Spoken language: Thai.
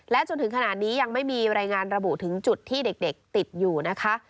จนถึงขนาดนี้ยังไม่มีรายงานระบุถึงจุดที่เด็กติดอยู่นะคะ